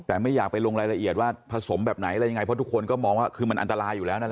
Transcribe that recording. แต่ไม่อยากไปลงรายละเอียดว่าผสมแบบไหนอะไรยังไงเพราะทุกคนก็มองว่าคือมันอันตรายอยู่แล้วนะ